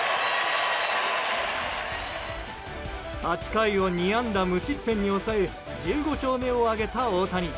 ８回を２安打無失点に抑え１５勝目を挙げた大谷。